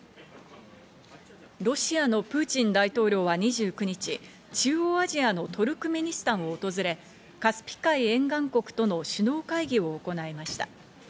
ロシアのプーチン大統領は２９日、中央アジアのトルクメニスタンを訪れ、カスピ海沿岸国との首脳会議を行いました。